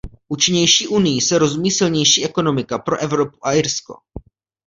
Účinnější Unií se rozumí silnější ekonomika pro Evropu a Irsko.